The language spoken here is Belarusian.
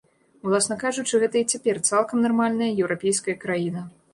Уласна кажучы, гэта і цяпер цалкам нармальная еўрапейская краіна.